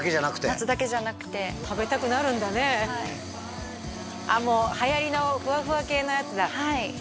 夏だけじゃなくて食べたくなるんだねはいあっもうはやりのフワフワ系のやつだはい